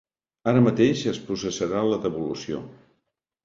Ara mateix es processarà la devolució.